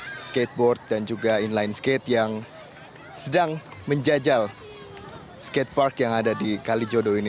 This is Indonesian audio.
ada skateboard dan juga inline skate yang sedang menjajal skatepark yang ada di kalijodo ini